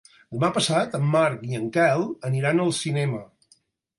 Demà passat en Marc i en Quel aniran al cinema.